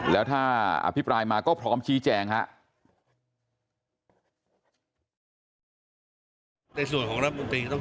แล้วถ้าอภิปรายมาก็พร้อมชี้แจงครับ